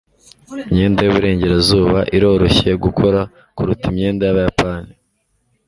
imyenda yuburengerazuba iroroshye gukora kuruta imyenda yabayapani